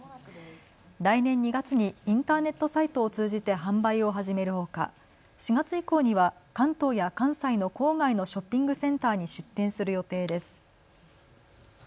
来年２月にインターネットサイトを通じて販売を始めるほか４月以降には関東や関西の郊外のショッピングセンターに出店する予定です。